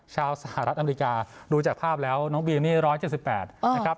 สหรัฐอเมริกาดูจากภาพแล้วน้องบีมนี่๑๗๘นะครับ